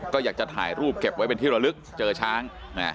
ก็อยากจะถ่ายรูปเก็บไว้เป็นที่ระลึกเจอช้าง